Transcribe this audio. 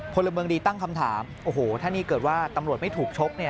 พลเมืองดีตั้งคำถามโอ้โหถ้านี่เกิดว่าตำรวจไม่ถูกชก